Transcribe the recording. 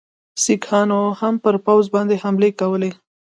سیکهانو هم پر پوځ باندي حملې کولې.